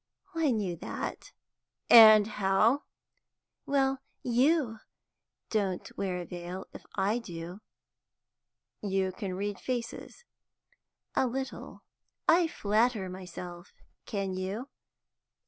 "Well, I knew that." "And how?" "Well, you don't wear a veil, if I do." "You can read faces?" "A little, I flatter myself. Can you?"